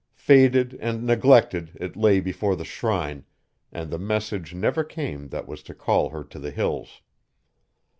Faded and neglected it lay before the shrine, and the message never came that was to call her to the Hills.